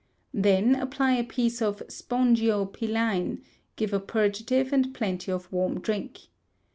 Then apply a piece of "spongio piline," give a purgative, and plenty of warm drink.